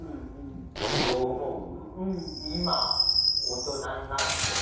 どう思う？